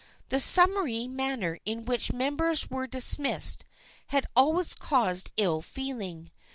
The summary manner in which members were dis missed had always caused ill feeling.